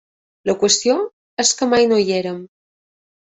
La qüestió és que mai no hi érem.